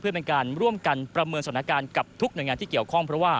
เพื่อเป็นการร่วมกันประเมินสถานการณ์กับทุกหน่วยงานที่เกี่ยวข้องเพราะว่า